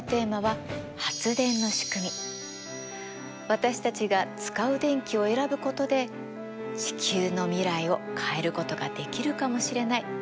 私たちが使う電気を選ぶことで地球の未来を変えることができるかもしれない。